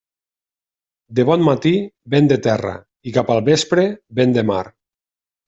De bon matí vent de terra i cap al vespre vent de mar.